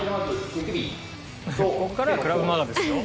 ここからクラヴマガですよ。